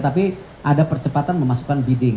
tapi ada percepatan memasukkan bidding